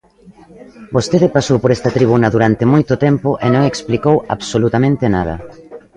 Vostede pasou por esta tribuna durante moito tempo e non explicou absolutamente nada.